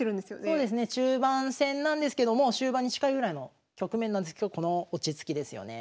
そうですね中盤戦なんですけどもう終盤に近いぐらいの局面なんですけどこの落ち着きですよね。